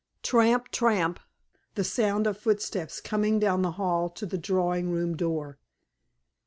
Tramp! tramp! the sound of footsteps coming down the hall to the drawing room door.